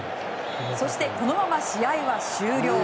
そしてこのまま試合は終了。